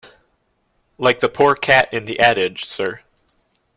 Like the poor cat in the adage, sir.